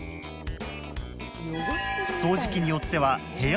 掃除機によってはうん。